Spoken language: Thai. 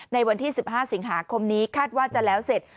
ในวันที่๑๕สิงหาคมนี้คาดว่าจะแล้วเสร็จ